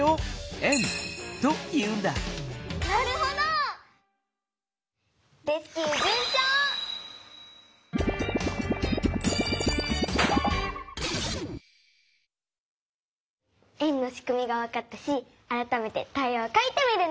円のしくみがわかったしあらためてタイヤをかいてみるね！